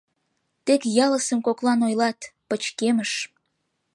Тек ялысым коклан ойлат: пычкемыш.